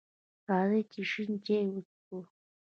راځئ چې شین چای وڅښو!